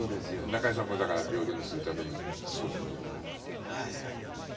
中居さんもだから平等にするためにはい。